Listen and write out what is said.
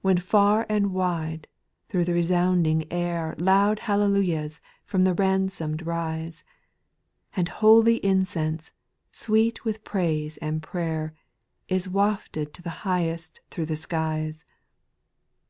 When far and wide thro' the resounding air Loud Hallelujahs from the ransomed rise, And holy incense, sweet with praise and prayer, Is wafted to the Highest thro' the skies I 4.